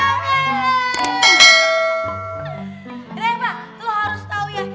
refah lo harus tau ya